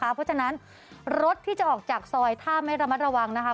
เพราะฉะนั้นรถที่จะออกจากซอยถ้าไม่ระมัดระวังนะคะ